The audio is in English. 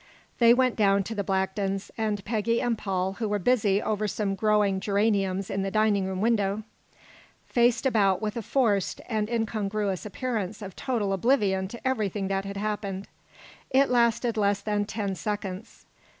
They went down to the Blacktons, and Peggy and Paul, who were busy over some growing geraniums in the dining room window, faced about with a forced and incongruous appearance of total oblivion to everything that had happened. It lasted less than ten seconds.